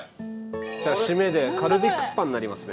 締めでカルビクッパになりますね。